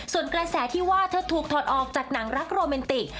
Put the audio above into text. ส่วนกระแสที่ว่าเธอถูกถอดออกจากหนังรักโรแมนติก